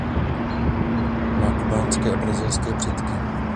Má kubánské a brazilské předky.